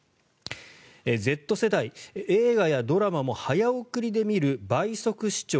Ｚ世代、映画やドラマも早送りで見る倍速視聴。